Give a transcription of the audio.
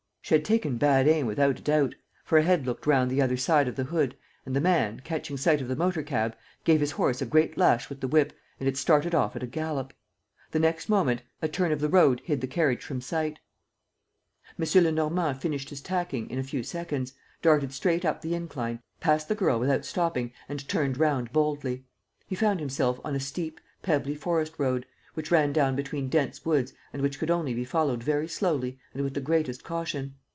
She had taken bad aim, without a doubt, for a head looked round the other side of the hood and the man, catching sight of the motor cab, gave his horse a great lash with the whip and it started off at a gallop. The next moment, a turn of the road hid the carriage from sight. M. Lenormand finished his tacking in a few seconds, darted straight up the incline, passed the girl without stopping and turned round boldly. He found himself on a steep, pebbly forest road, which ran down between dense woods and which could only be followed very slowly and with the greatest caution.